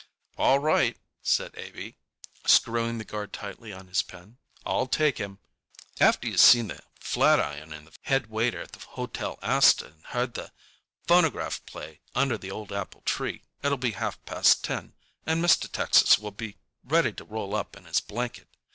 "All right," said Abey, screwing the guard tightly on his pin. "I'll take him on. After he's seen the Flatiron and the head waiter at the Hotel Astor and heard the phonograph play 'Under the Old Apple Tree' it'll be half past ten, and Mr. Texas will be ready to roll up in his blanket.